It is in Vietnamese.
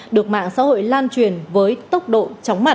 được mạng xã hội lan truyền với tốc độ chóng mặt